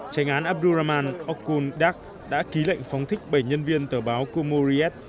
trành án abdurrahman okun dak đã ký lệnh phóng thích bảy nhân viên tờ báo kumuriyet